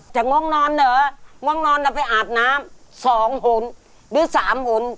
แต่ง้องนอนเหอะง้องนอนเราไปอาบน้ำสองหลวนหรือสามหลวน